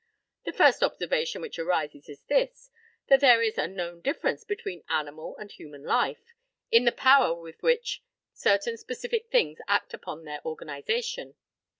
The first observation which arises is this: that there is a known difference between animal and human life, in the power with which certain specific things act upon their organisation.